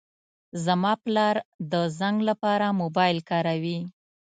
زما پلار د زنګ لپاره موبایل کاروي.